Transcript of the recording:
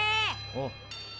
おっ。